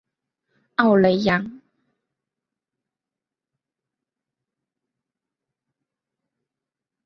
奥雷扬。